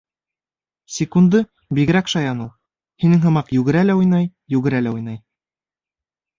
Секунды бигерәк шаян ул, һинең һымаҡ йүгерә лә уйнай, йүгерә лә уйнай.